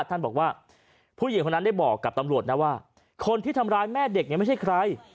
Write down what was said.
ท่านบอกว่าผู้หญิงคนนั้นได้บอกกับตำรวจนะว่าคนที่ทำร้ายแม่เด็กเนี่ยไม่ใช่ใคร